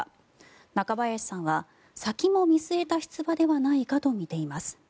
中林さんは、先も見据えた出馬ではないかとみています。